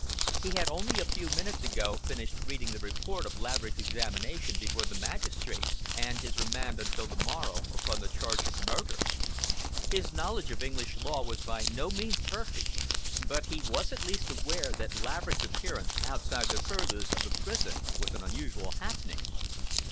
He had only a few minutes ago finished reading the report of Laverick's examination before the magistrates and his remand until the morrow, upon the charge of murder. His knowledge of English law was by no means perfect, but he was at least aware that Laverick's appearance outside the purlieus of the prison was an unusual happening.